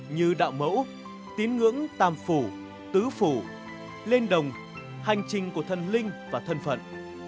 như đạo mẫu tiến ngưỡng tam phủ tứ phủ lên đồng hành trình của thân linh và thân phận